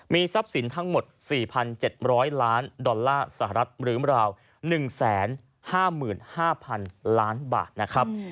ทรัพย์สินทั้งหมด๔๗๐๐ล้านดอลลาร์สหรัฐหรือราว๑๕๕๐๐๐ล้านบาทนะครับ